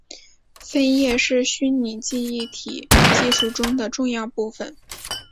分页是虚拟记忆体技术中的重要部份。